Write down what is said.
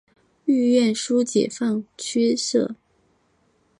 豫皖苏解放区设。